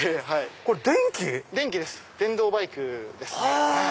これ電気⁉電動バイクですね。